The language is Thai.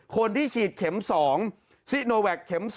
คนที่ฉีดเข็ม๒